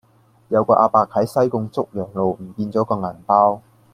有個亞伯喺西貢竹洋路唔見左個銀包